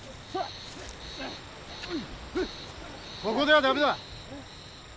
ここではダメだ。